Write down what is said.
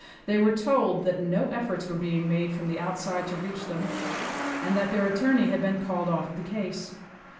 They were told that no efforts were being made from the outside to reach them, and that their attorney had been called off the case.